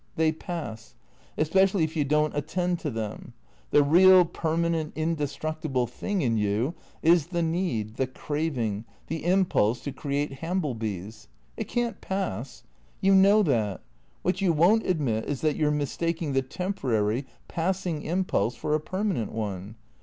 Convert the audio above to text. They pass. Especially if you don't attend to them. The real, permanent, indestructible thing in you is the need, the crav ing, the impulse to create Hamblebys. It can't pass. You know that. What you won't admit is that you 're mistaking the tem porary, passing impulse for a permanent one.